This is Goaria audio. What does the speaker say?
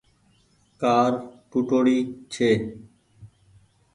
ڪآر ٽوُٽوڙي ڇي۔